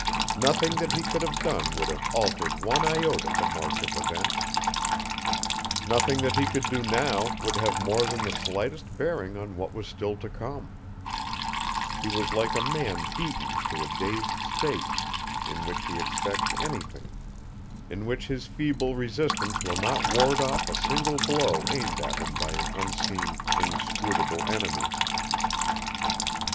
Nothing that he could have done would have altered one iota the march of events. Nothing that he could do now would have more than the slightest bearing on what was still to come. He was like a man beaten to a dazed state in which he expects anything, in which his feeble resistance will not ward off a single blow aimed at him by an unseen, inscrutable enemy.